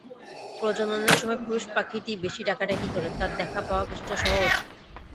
প্রজননের সময় পুরুষ পাখিটি বেশি ডাকাডাকি করে, তার দেখা পাওয়া কিছুটা সহজ।